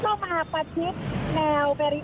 ตอนนี้เข้ามาประชิดแนวแบรอิอร์